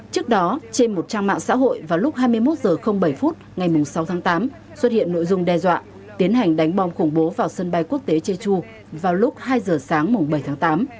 trước đó trên một trang mạng xã hội vào lúc hai mươi một h bảy phút ngày sáu tháng tám xuất hiện nội dung đe dọa tiến hành đánh bom khủng bố vào sân bay quốc tế jeju vào lúc hai h sáng bảy tháng tám